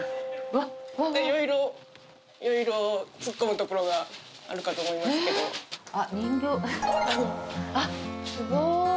わわいろいろいろいろ突っ込むところがあるかと思いますけどあっ人形あっすごい！